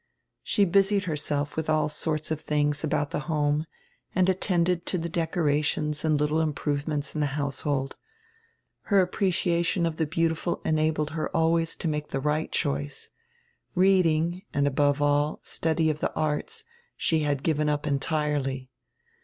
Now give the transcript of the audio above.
She busied herself widi all sorts of tilings about die home and attended to die decorations and little improvements in die household. Her appreciation of die beautiful enabled her always to make die right choice. Reading and, above all, study of the arts she had given up entirely.